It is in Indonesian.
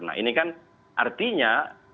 nah ini kan artinya